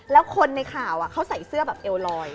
แล้วคนในข่าวเขาใส่เสื้อแบบเอวลอย